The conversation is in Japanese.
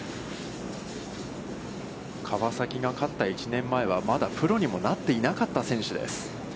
川崎が勝った１年前は、まだプロにもなっていなかった選手です。